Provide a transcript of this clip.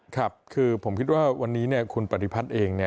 ครับคือผมคิดว่าวันนี้คุณปฏิพัฒน์เอง